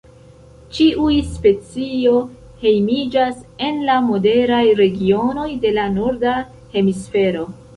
Ĉiuj specio hejmiĝas en la moderaj regionoj de la norda hemisfero.